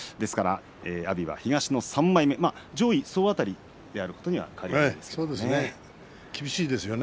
阿炎は東の３枚目上位総当たりであることには変わりないですね。